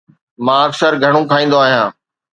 مان اڪثر گهڻو کائيندو آهيان